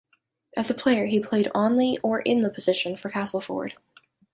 As a player, he played on the or in the position for Castleford.